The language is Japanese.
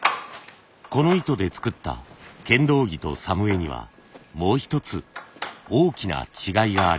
この糸で作った剣道着と作務衣にはもう一つ大きな違いがあります。